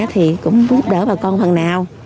thì cũng giúp đỡ bà con hơn nào